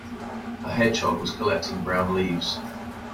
A hedgehog was collecting brown leaves.